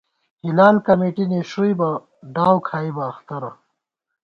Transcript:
ہِلال کمېٹی نِݭُوئیبہ ڈاؤ کھائیبہ اختَرہ